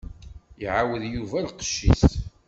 Iɛawed Yuba lqecc-is.